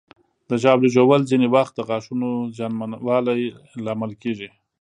د ژاولې ژوول ځینې وخت د غاښونو زیانمنوالي لامل کېږي.